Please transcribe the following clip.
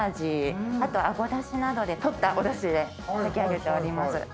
あとアゴだしなどで取ったおだしで炊きあげております。